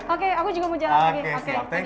oke aku juga mau jalan lagi oke selamat tinggal